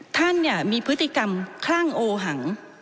ท่านมีพฤติกรรมคลั่งโอหัง